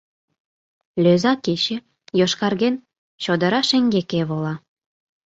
Лӧза кече, йошкарген, чодыра шеҥгеке вола.